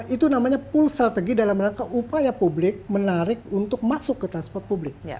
itu namanya pool strategy dalam rangka upaya publik menarik untuk masuk ke transportasi publik